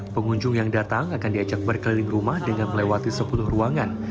pengunjung yang datang akan diajak berkeliling rumah dengan melewati sepuluh ruangan